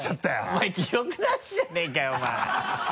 おい記録なしじゃねぇかよお前。